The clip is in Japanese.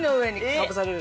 ◆かぶさる。